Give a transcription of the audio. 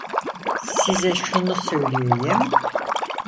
Size şunu söyleyeyim.